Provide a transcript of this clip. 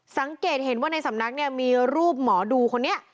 สังเกตเห็นว่าในสำนักเนี่ยมีรูปหมอดูคนนี้